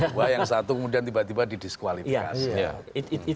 dua yang satu kemudian tiba tiba di disqualifikasi